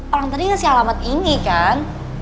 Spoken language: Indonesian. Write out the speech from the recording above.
orang tadi ngasih alamat ini kan